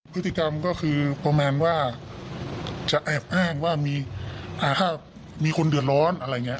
พฤติกรรมก็คือประมาณว่าจะแอบอ้างว่ามีถ้ามีคนเดือดร้อนอะไรอย่างนี้